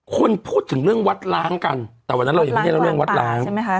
คนพูดถึงเรื่องวัดล้างกันแต่วันนั้นเรายังไม่ได้เรื่องวัดล้าง